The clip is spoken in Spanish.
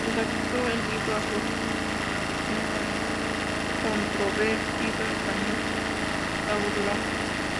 Redactó, el ""Libro Azul"" en colaboración con el controvertido español Gustavo Durán.